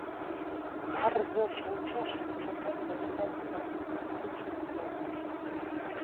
Bardzo się cieszę, że ten dokument mamy w końcu przed sobą